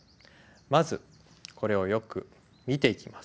まずこれをよく見ていきます。